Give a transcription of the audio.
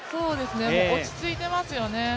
落ち着いてますよね。